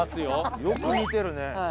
よく見てるね。